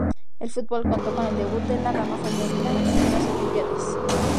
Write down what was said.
El fútbol contó con el debut de la rama femenina en unas olimpiadas.